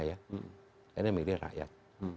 karena milih rakyat